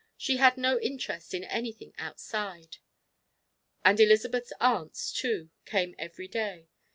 She had no interest in anything outside. And Elizabeth's aunts, too, came every day.